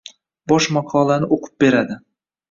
Bosh maqolani o‘qib beradi.